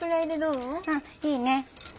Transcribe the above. うんいいね。